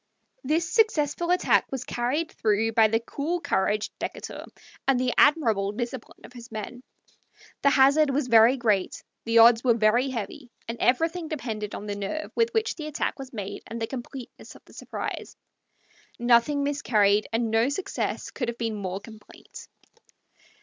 This successful attack was carried through by the cool courage of Decatur and the admirable discipline of his men. The hazard was very great, the odds were very heavy, and everything depended on the nerve with which the attack was made and the completeness of the surprise. Nothing miscarried, and no success could have been more complete.